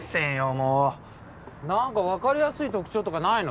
もう何か分かりやすい特徴とかないの？